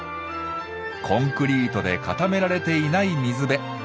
コンクリートで固められていない水辺。